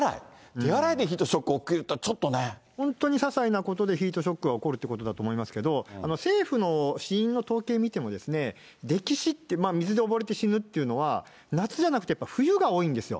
手洗いでヒートショック起きるって、本当にささいなことでヒートショックが起こるということだと思いますけど、政府の死因の統計見ても、溺死って、水で溺れて死ぬっていうのは、夏じゃなくて冬が多いんですよ。